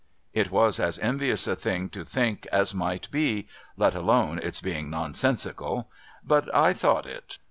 It was as envious a thing to tliink as might be, let alone its being nonsensical ; but, I thought it.